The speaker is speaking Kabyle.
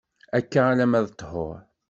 Akka alemma d ṭhur.